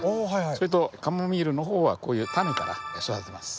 それとカモミールの方はこういうタネから育てます。